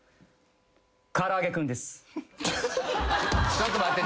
ちょっと待って。